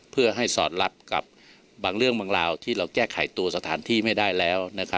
เพื่อให้สอดรับกับบางเรื่องบางราวที่เราแก้ไขตัวสถานที่ไม่ได้แล้ว